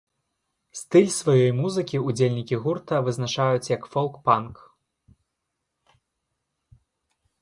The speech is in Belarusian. Стыль сваёй музыкі ўдзельнікі гурта вызначаюць як фолк-панк.